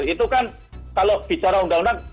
itu kan kalau bicara undang undang